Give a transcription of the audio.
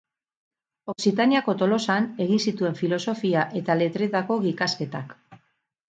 Okzitaniako Tolosan egin zituen Filosofia eta Letretako ikasketak.